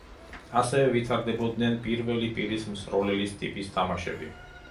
ასევე ვითარდებოდნენ პირველი პირის მსროლელის ტიპის თამაშები.